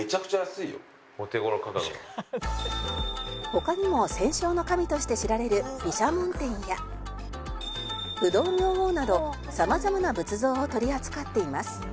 「他にも戦勝の神として知られる毘沙門天や不動明王などさまざまな仏像を取り扱っています」